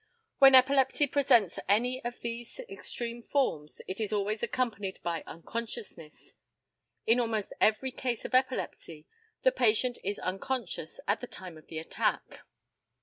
When epilepsy presents any of these extreme forms it is always accompanied by unconsciousness. In almost every case of epilepsy the patient is unconscious at the time of the attack.